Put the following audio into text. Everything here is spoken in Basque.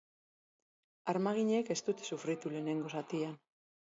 Armaginek ez dute sufritu lehenengo zatian.